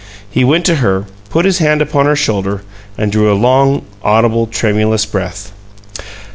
He went to her, put his hand upon her shoulder, and drew a long, audible, tremulous breath.